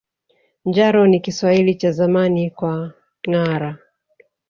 Njaro ni Kiswahili cha zamani kwa ngâara